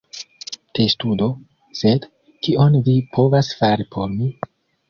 Testudo: "Sed, kion vi povas fari por mi?"